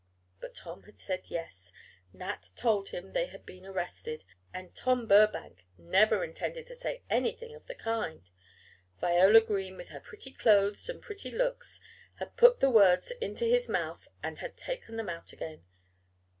But Tom had said, "Yes," Nat told him they had been arrested! And Tom Burbank never intended to say anything of the kind! Viola Green with her pretty clothes and pretty looks had "put the words into his mouth and had taken them out again!"